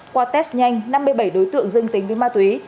qua test nhanh năm mươi bảy đối tượng dương tính với ma túy